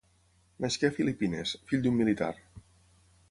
Nasqué a Filipines, fill d'un militar.